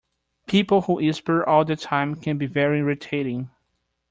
People who whisper all the time can be very irritating